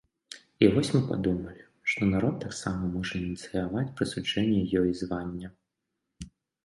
І вось мы падумалі, што народ таксама можа ініцыяваць прысуджэнне ёй звання.